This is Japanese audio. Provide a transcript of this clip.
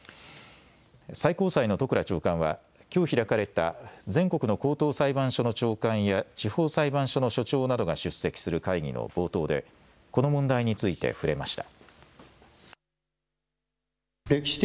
最高裁の戸倉長官は、きょう開かれた全国の高等裁判所の長官や地方裁判所の所長などが出席する会議の冒頭で、この問題について触れました。